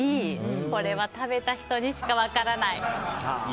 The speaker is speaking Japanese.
これは食べた人にしか分からない。